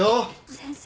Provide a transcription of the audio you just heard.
先生。